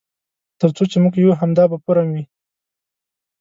تر څو چې موږ یو همدا به فورم وي.